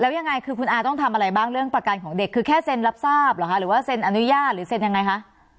แล้วยังไงคือคุณอาต้องทำอะไรบ้างเรื่องประกันของเด็กคือแค่เซ็นรับทราบเหรอคะหรือว่าเซ็นอนุญาตหรือเซ็นยังไงคะ